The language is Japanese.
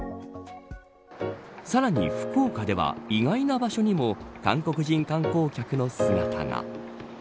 さらに福岡では意外な場所にも韓国人観光客の姿が。